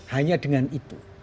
hanya dengan itu